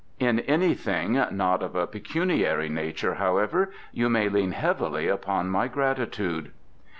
In anything not of a pecuniary nature, however, you may lean heavily upon my gratitude."